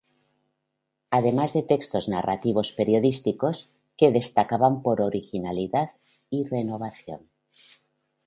Además de textos narrativos periodísticos que destacaban por originalidad y renovación.